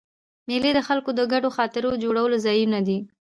مېلې د خلکو د ګډو خاطرو د جوړولو ځایونه دي.